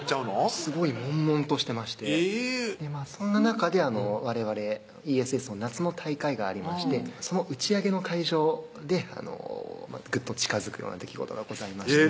すごいもんもんとしてましてえぇそんな中でわれわれＥＳＳの夏の大会がありましてその打ち上げの会場でぐっと近づくような出来事がございました何？